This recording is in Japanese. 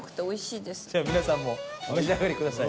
皆さんもお召し上がりください。